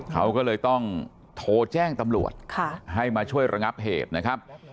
เขาก็เลยต้องโทรแจ้งตำรวจให้มาช่วยระงับเหตุนะครับ